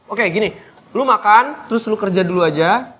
oke gini lo makan terus lo kerja dulu aja